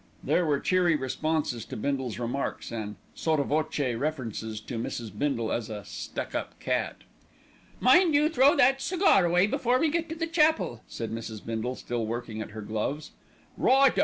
There were cheery responses to Bindle's remarks, and sotto voce references to Mrs. Bindle as "a stuck up cat." "Mind you throw that cigar away before we get to the chapel," said Mrs. Bindle, still working at her gloves. "Right o!"